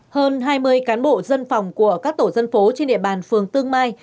hơn hai mươi cán bộ dân phòng của các tổ dân phố trên địa bàn phường tương mai